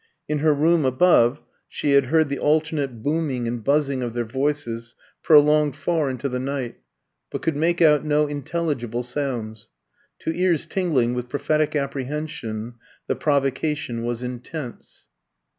In her room above she had heard the alternate booming and buzzing of their voices prolonged far into the night, but could make out no intelligible sounds. To ears tingling with prophetic apprehension the provocation was intense.